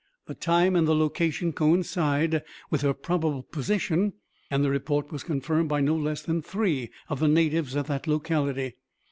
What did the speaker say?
The time and the location coincide with her probable position and the report was confirmed by no less than three of the natives of that locality.